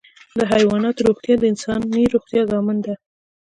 د حیواناتو روغتیا د انساني روغتیا ضامن ده.